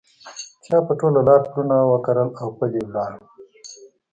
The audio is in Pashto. چا په ټول لاره پلونه وکرل اوپلي ولاړه